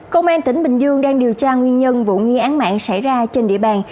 công an tỉnh bình dương đang điều tra nguyên nhân vụ nghi án mạng xảy ra trên địa bàn